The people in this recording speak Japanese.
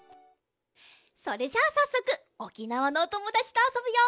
それじゃあさっそくおきなわのおともだちとあそぶよ！